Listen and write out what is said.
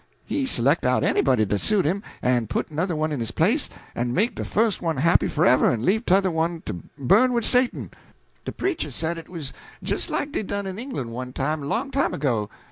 He s'lect out anybody dat suit him, en put another one in his place, and make de fust one happy forever en leave t'other one to burn wid Satan. De preacher said it was jist like dey done in Englan' one time, long time ago.